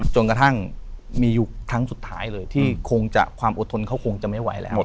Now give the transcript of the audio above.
จนกระทั่งมีอยู่ครั้งสุดท้ายเลยที่คงจะความอดทนเขาคงจะไม่ไหวแล้ว